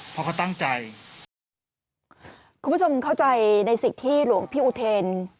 เพราะเขาตั้งใจคุณผู้ชมเข้าใจในสิ่งที่หลวงพี่อุเทน